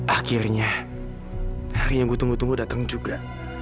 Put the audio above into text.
akhirnya hari yang gue tunggu tunggu datang juga